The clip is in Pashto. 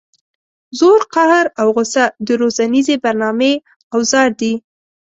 زور قهر او غصه د روزنیزې برنامې اوزار دي.